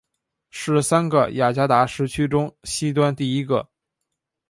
是三个雅加达时区中西端第一个。